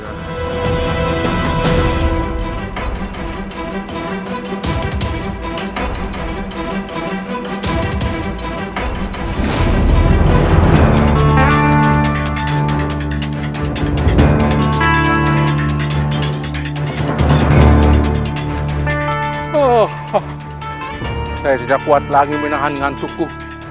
oh saya tidak kuat lagi menahan ngantukku